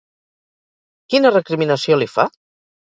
Quina recriminació li fa?